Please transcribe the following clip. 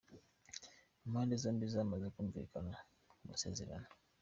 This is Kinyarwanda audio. Impande zombi zamaze kumvikana ku masezerano.